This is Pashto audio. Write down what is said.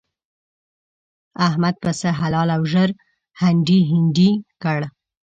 احمد پسه حلال او ژر هنډي هنډي کړ.